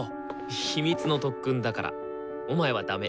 秘密の特訓だからお前はダメ。